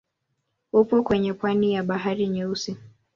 Upo kwenye pwani ya Bahari Nyeusi.